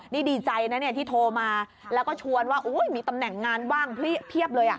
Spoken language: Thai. นี่ดีใจนะเนี่ยที่โทรมาแล้วก็ชวนว่ามีตำแหน่งงานว่างเพียบเลย